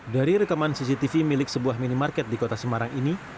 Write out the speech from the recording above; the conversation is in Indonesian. dari rekaman cctv milik sebuah minimarket di kota semarang ini